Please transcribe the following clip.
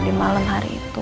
di malam hari itu